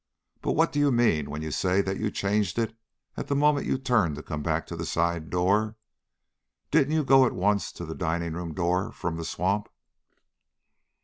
"But what do you mean when you say that you changed it at the moment you turned to come back to the side door? Didn't you go at once to the dining room door from the swamp?"